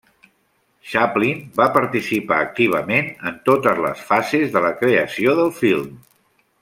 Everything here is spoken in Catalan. Chaplin va participar activament en totes les fases de la creació del film.